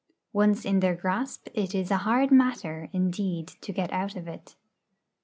Once in their grasp it is a hard matter, indeed to get out of it.